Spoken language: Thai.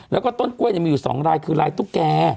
แล้วก็ต้นกล้วยมีอยู่๒ลายคือลายตุ๊กแก่